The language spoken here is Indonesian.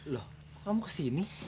loh kamu kesini